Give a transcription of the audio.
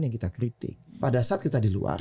yang kita kritik pada saat kita di luar